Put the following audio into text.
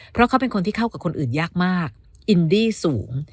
เพราะเขาเป็นคนที่เข้ากับคนอื่นยากมากอินดี้สูง